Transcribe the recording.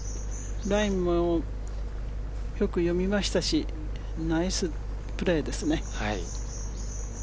ラインもよく読みましたしナイスプレーですね。